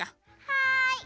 はい。